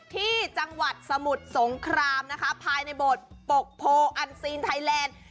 ที่จังหวัดสมุทรสงครามนะคะภายในโบสถปกโพอันซีนไทยแลนด์